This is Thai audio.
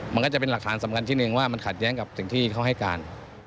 มันก็จะเป็นหลักฐานสำคัญที่หนึ่งว่ามันขัดแย้งกับสิ่งที่เขาให้การ